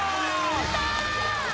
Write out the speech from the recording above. ・やったー！